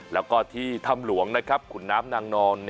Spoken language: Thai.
และก็ที่ถำหลวงคุณน้ำนางนอน